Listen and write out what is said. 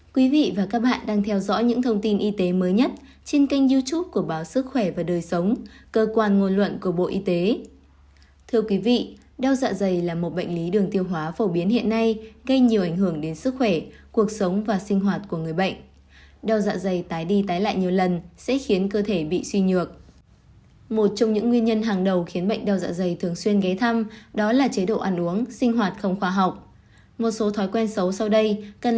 các bạn hãy đăng ký kênh để ủng hộ kênh của chúng mình nhé